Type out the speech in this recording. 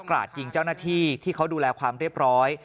ราดยิงเจ้าหน้าที่ที่เขาดูแลความเรียบร้อย